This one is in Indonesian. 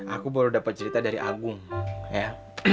aku baru dapat cerita dari agung ya